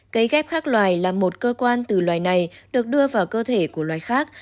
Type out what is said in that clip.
cấy ghép khác loài là một cơ quan từ loài này được đưa vào cơ thể của loài khác